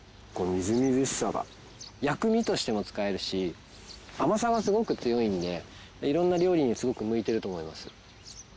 このみずみずしさが薬味としても使えるし甘さがすごく強いので色んな料理にすごく向いていると思います。